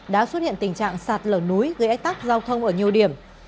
đã xuất hiện tình trạng sạt lở núi gây ách tắc giao thông ở nhiều điểm